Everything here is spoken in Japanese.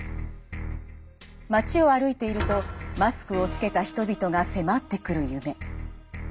街を歩いているとマスクを着けた人々が迫ってくる夢。